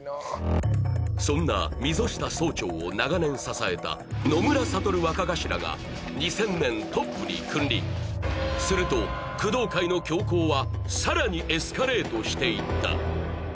そんな溝下総長を長年支えた野村悟若頭が２０００年トップに君臨すると工藤会の凶行はさらにエスカレートしていった